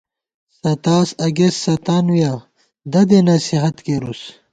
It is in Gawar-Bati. ستاس اگست ستانوِیَہ دَدےنَصِیحت کېرُوس